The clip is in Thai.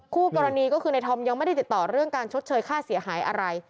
คู่กรณีก็คือในธอมยังไม่ได้ติดต่อเรื่องการชดเชยค่าเสียหายอะไร